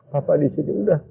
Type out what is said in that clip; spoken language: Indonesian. papa di sini udah